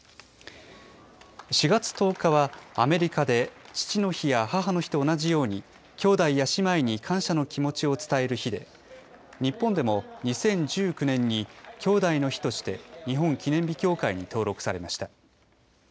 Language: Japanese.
４月１０日は、アメリカで父の日や母の日と同じように、兄弟や姉妹に感謝の気持ちを伝える日で、日本でも２０１９年にきょうだいの日として、日本記念日協会に登録されました。